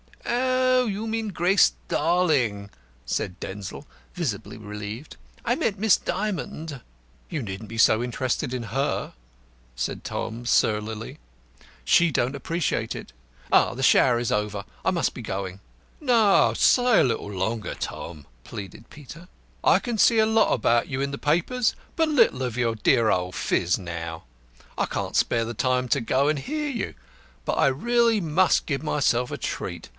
"Oh, you mean Grace Darling," said Denzil, visibly relieved. "I meant Miss Dymond." "You needn't be so interested in her," said Tom surlily. "She don't appreciate it. Ah, the shower is over. I must be going." "No, stay a little longer, Tom," pleaded Peter. "I see a lot about you in the papers, but very little of your dear old phiz now. I can't spare the time to go and hear you. But I really must give myself a treat.